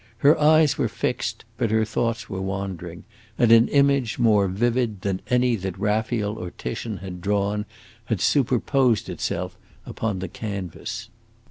Her eyes were fixed, but her thoughts were wandering, and an image more vivid than any that Raphael or Titian had drawn had superposed itself upon the canvas.